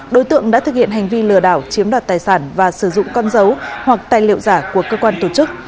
đối tượng đã thực hiện hành vi lừa đảo chiếm đoạt tài sản và sử dụng con dấu hoặc tài liệu giả của cơ quan tổ chức